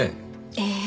ええ。